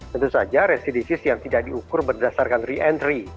tentu saja residisis yang tidak diukur berdasarkan re entry